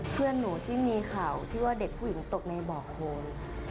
เพื่อนหนูที่มีข่าวที่ว่าเด็กผู้หญิงตกในบ่อโคน